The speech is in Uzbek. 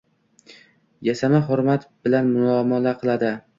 Yasama hurmat bilan muomala qiladi.